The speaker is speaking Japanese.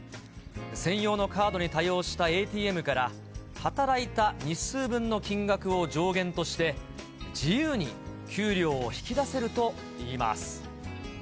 専用のカードに対応したＡＴＭから、働いた日数分の金額を上限として、自由に給料を引き出せるといいます。